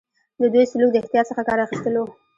د دوی سلوک د احتیاط څخه کار اخیستل وو.